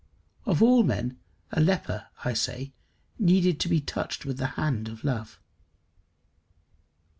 Of all men a leper, I say, needed to be touched with the hand of love.